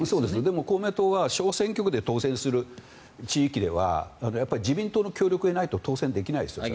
でも公明党は小選挙区で当選する地域では自民党の協力がないと当選できないです。